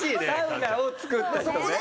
サウナを作った人ね。